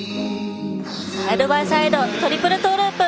サイドバイサイドトリプルトーループ。